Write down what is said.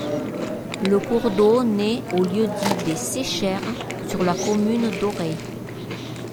Le cours d'eau naît au lieu-dit des Séchères, sur la commune d'Aureil.